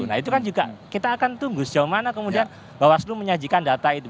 nah itu kan juga kita akan tunggu sejauh mana kemudian bawaslu menyajikan data itu